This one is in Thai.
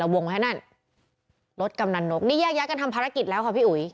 วงไว้นั่นรถกำนันนกนี่แยกย้ายกันทำภารกิจแล้วค่ะพี่อุ๋ย